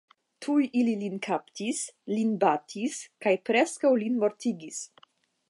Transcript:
Tuj ili Lin kaptis, lin batis, kaj preskaŭ lin mortigis.